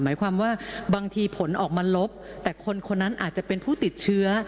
หมายความว่าบางทีผลออกมาลบแต่คนคนนั้นอาจจะเป็นผู้ติดเชื้อ